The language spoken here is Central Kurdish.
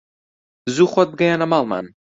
زوو خۆت بگەیەنە ماڵمان